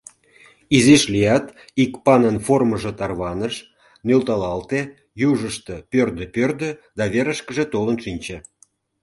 Изиш лият, ик панын формыжо тарваныш, нӧлталалте, южышто пӧрдӧ-пӧрдӧ да верышкыже толын шинче.